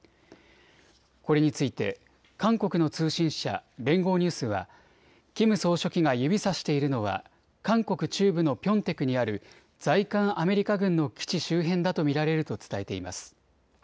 これについて韓国の通信社、連合ニュースはキム総書記が指さしているのは韓国中部のピョンテクにある在韓アメリカ軍の基地周辺だと見られると伝えています。